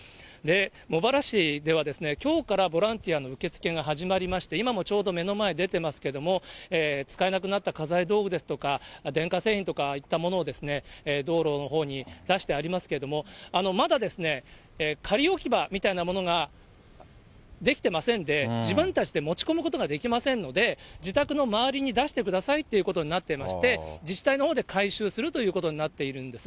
茂原市では、きょうからボランティアの受け付けが始まりまして、今もちょうど目の前出てますけども、使えなくなった家財道具ですとか、電化製品とかいったものを道路のほうに出してありますけれども、まだ仮置き場みたいなものができてませんで、自分たちで持ち込むことができませんので、自宅の周りに出してくださいということになってまして、自治体のほうで回収するということになっているんです。